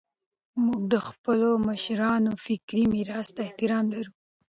موږ د خپلو مشرانو فکري میراث ته احترام لرو.